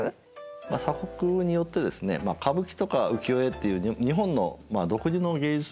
まあ鎖国によってですね歌舞伎とか浮世絵っていう日本の独自の芸術文化がありますよね。